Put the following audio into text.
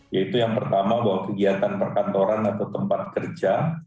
yaitu yang pertama bahwa kegiatan perkantoran atau tempat kerja